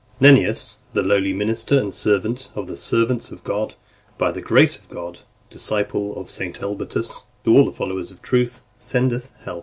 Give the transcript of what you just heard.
1. Nennius, the lowly minister and servant of the servants of God, by the grace of God, disciple of St. Elbotus,* to all the followers of truth sendeth health.